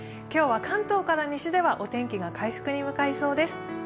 今日は関東から西ではお天気が回復に向かいそうです。